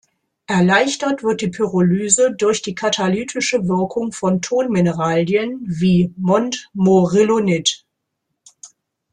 Erleichtert wird die Pyrolyse durch die katalytische Wirkung von Tonmineralen wie Montmorillonit.